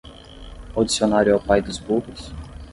O dicionário é o pai dos burros?